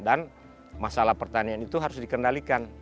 dan masalah pertanian itu harus dikendalikan